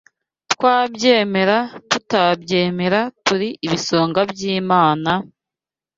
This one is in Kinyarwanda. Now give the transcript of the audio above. Twabyemera, tutabyemera, turi ibisonga by’Imana,